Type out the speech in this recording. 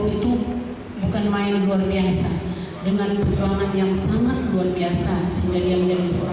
itu bukan main luar biasa dengan perjuangan yang sangat luar biasa sehingga dia menjadi seorang